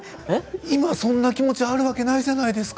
今、そんな気持ちあるわけないじゃないですか。